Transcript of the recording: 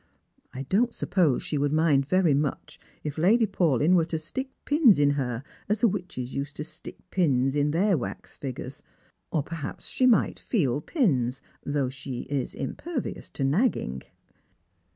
I don't suppose she would mind very much if Lady Paulyn were to stick pins in her, as the witches used to stick them it, their wax figures ; or perhaps she might feel pins, though she is impervious to nagging."